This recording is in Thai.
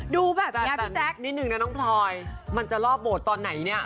ดูแบบนี้พี่แจ๊คนิดนึงนะน้องพลอยมันจะรอบโบสถ์ตอนไหนเนี่ย